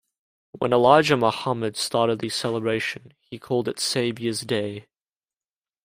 When Elijah Muhammad started the celebration, he called it Saviour's Day.